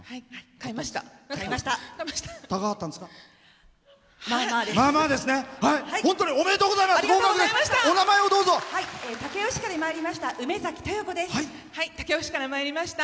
買いました。